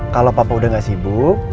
kalau papa udah gak sibuk